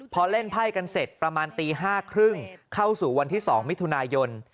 พอเล่นไพ่กันเสร็จประมาณตี๕๓๐เข้าสู่วันที่๒มิถุนายน